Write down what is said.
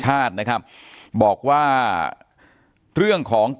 อย่างที่บอกไปว่าเรายังยึดในเรื่องของข้อ